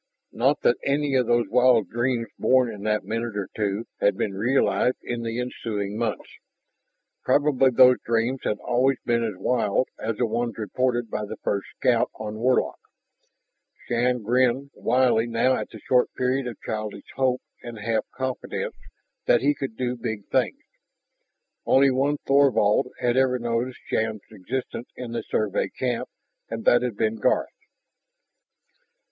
Not that any of those wild dreams born in that minute or two had been realized in the ensuing months. Probably those dreams had always been as wild as the ones reported by the first scout on Warlock. Shann grinned wryly now at the short period of childish hope and half confidence that he could do big things. Only one Thorvald had ever noticed Shann's existence in the Survey camp, and that had been Garth.